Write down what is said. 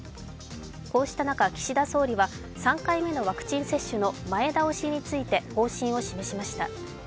こうした中、岸田総理は３回目のワクチン接種の前倒しについて方針を示しました。